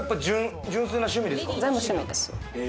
全部趣味です。